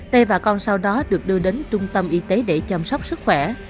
tê và con sau đó được đưa đến trung tâm y tế để chăm sóc sức khỏe